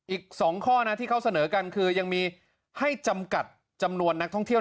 อีก๒ข้อนะที่เขาเสนอกันคือยังมีให้จำกัดจำนวนนักท่องเที่ยว